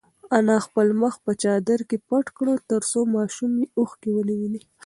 انا خپل مخ په چادر کې پټ کړ ترڅو ماشوم یې اوښکې ونه ویني.